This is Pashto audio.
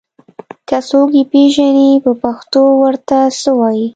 که څوک يې پېژني په پښتو ور ته څه وايي